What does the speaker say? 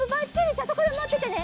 じゃあそこでまっててね。